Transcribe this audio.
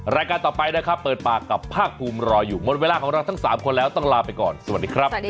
รายการต่อไปนะครับเปิดปากกับภาคภูมิรออยู่หมดเวลาของเราทั้ง๓คนแล้วต้องลาไปก่อนสวัสดีครับ